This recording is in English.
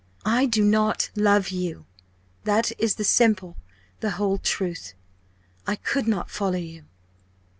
I do not love you that is the simple, the whole truth I could not follow you!"